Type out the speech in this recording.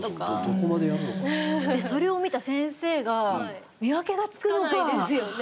それを見た先生が見分けがつくのか。